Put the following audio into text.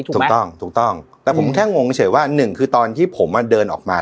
ถูกต้องถูกต้องแต่ผมแค่งงเฉยว่าหนึ่งคือตอนที่ผมเดินออกมา